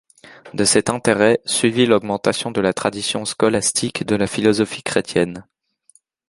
De cet intérêt, suivit l'augmentation de la tradition scolastique de la philosophie chrétienne.